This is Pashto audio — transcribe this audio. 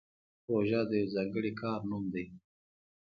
پروژه د یو ځانګړي کار نوم دی